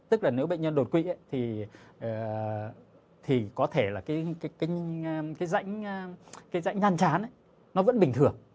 tức là nếu bệnh nhân đột quỵ thì có thể là cái dãnh nhăn chán nó vẫn bình thường